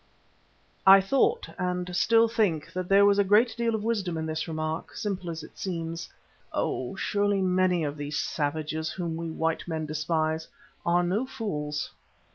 I thought, and still think, that there was a great deal of wisdom in this remark, simple as it seems. Oh! surely many of these savages whom we white men despise, are no fools.